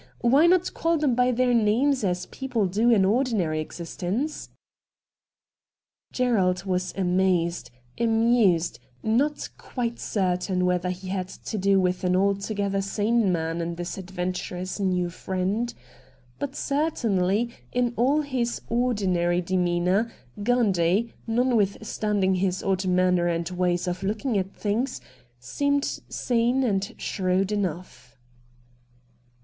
Why not call them by their name as people do in ordinary existence ?' Gerald was amazed, amused — not quite certain whether he had to do with an alto gether sane man in his adventurous new friend. But certainly in all his ordinary 232 RED DIAMONDS demeanour Gundy, notwithstanding his odd manner and ways of looking at things, seemed sane and shrewd enough.